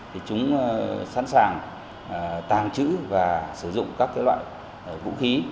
thì chúng sẵn sàng tàng trữ và sử dụng các loại vũ khí